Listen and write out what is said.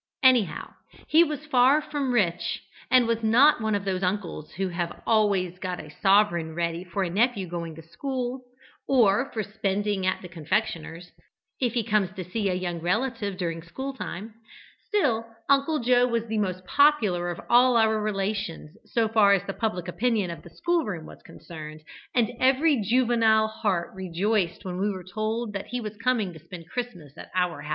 Anyhow, he was far from rich, and was not one of those uncles who have always got a sovereign ready for a nephew going to school, or for spending at the confectioner's, if he comes to see a young relative during school time. Still, Uncle Joe was the most popular of all our relations so far as the public opinion of the school room was concerned, and every juvenile heart rejoiced when we were told that he was coming to spend Christmas at our home.